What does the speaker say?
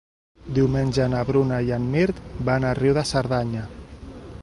Diumenge na Bruna i en Mirt van a Riu de Cerdanya.